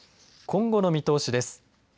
今後の見通しです。